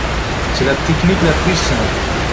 C'est la technique la plus simple.